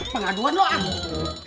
pengaduan lu ah